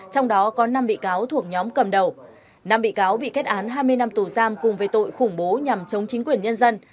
trong đó có năm bị cáo thuộc nhóm cầm đầu năm bị cáo bị kết án hai mươi năm tù giam cùng với tội khủng bố nhằm chống chính quyền nhân dân